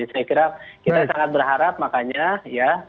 saya kira kita sangat berharap makanya ya